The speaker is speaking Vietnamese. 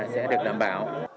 sẽ được đảm bảo